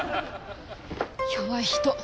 弱い人。